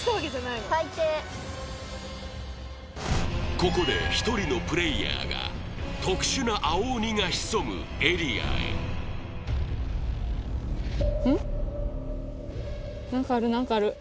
ここで１人のプレイヤーが特殊な青鬼が潜むエリアへうん？